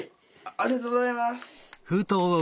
ありがとうございます。